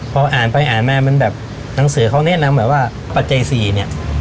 พออ่านไปอ่านมามันแบบหนังสือเขาแนะนำแบบว่าปัจจัย๔เนี่ย